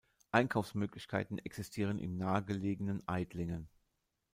Einkaufsmöglichkeiten existieren im nahegelegenen Aidlingen.